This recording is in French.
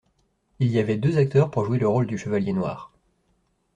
Il y avait deux acteurs pour jouer le rôle du chevalier noir.